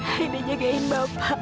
aida jagain bapak